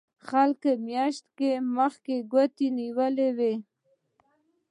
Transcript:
خلکو میاشتې مخکې کوټې نیولې وي